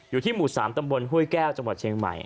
อยู่ที่หมู่๓ตำบลห้วยแก้วจังหวัดเชียงใหม่